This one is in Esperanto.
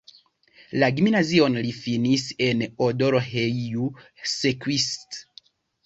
La gimnazion li finis en Odorheiu Secuiesc.